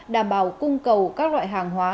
đảm bảo cung cầu các loại hàng hóa